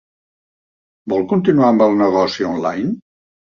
Vol continuar amb el negoci online?